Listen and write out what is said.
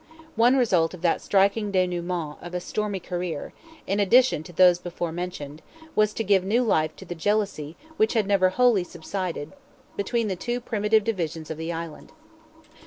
One result of that striking denouement of a stormy career—in addition to those before mentioned—was to give new life to the jealousy which had never wholly subsided, between the two primitive divisions of the Island.